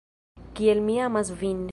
Kiel mi amas vin!